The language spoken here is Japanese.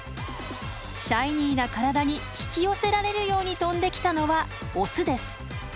シャイニーな体に引き寄せられるように飛んできたのはオスです。